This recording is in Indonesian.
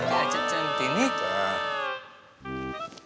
eh dia aja cantik nih